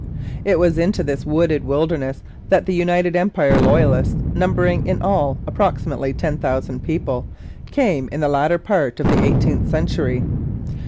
It was into this wooded wilderness that the United Empire Loyalists, numbering in all approximately ten thousand people, came in the latter part of the eighteenth century.